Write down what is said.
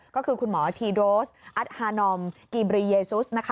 ก็คือคุณหมอทีโดสอัตฮานอมกีบรีเยซุสนะคะ